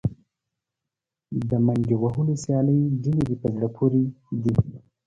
د منډې وهلو سیالۍ ډېرې په زړه پورې دي.